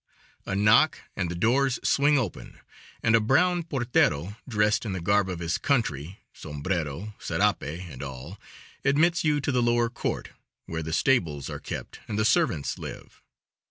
A knock, and the doors swing open and a brown portero, dressed in the garb of his country, sombrero, serape and all, admits you to the lower court, where the stables are kept and the servants live.